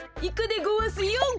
いくでごわすよ！